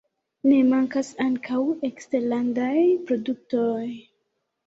Ne mankas ankaŭ eksterlandaj produktoj.